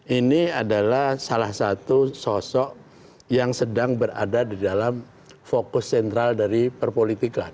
ini adalah salah satu sosok yang sedang berada di dalam fokus sentral dari perpolitikan